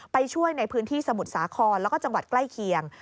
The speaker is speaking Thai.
ไปช่วยในพื้นที่สมุทรสาครแล้วก็จังหวัดใกล้เคียง